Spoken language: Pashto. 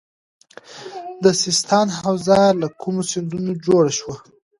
د سیستان حوزه له کومو سیندونو جوړه شوې؟